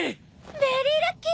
ベリーラッキー！